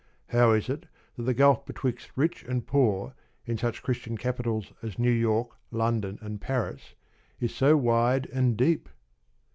How is it that the gulf betwixt rich and poor in such Christian capitals as New York, London, and Paris is so wide and deep?